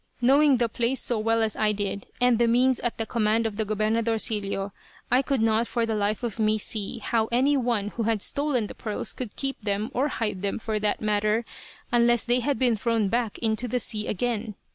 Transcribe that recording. Knowing the place so well as I did, and the means at the command of the "Gobernadorcillo," I could not for the life of me see how any one who had stolen the pearls could keep them, or hide them, for that matter, unless they had been thrown back into the sea again.